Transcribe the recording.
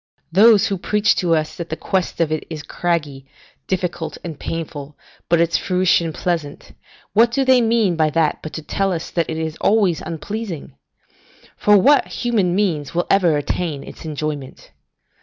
Those who preach to us that the quest of it is craggy, difficult, and painful, but its fruition pleasant, what do they mean by that but to tell us that it is always unpleasing? For what human means will ever attain its enjoyment?